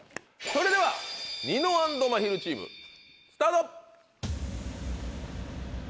それではニノ＆まひるチームスタート！